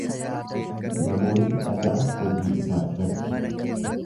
Namoonni dhaga'a hojii isaa irratti.